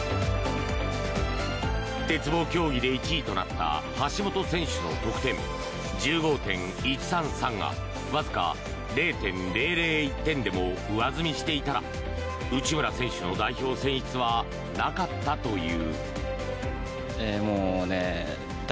鉄棒競技で１位となった橋本選手の得点１５．１３３がわずか０．００１点でも上積みしていたら内村選手の代表選出はなかったという。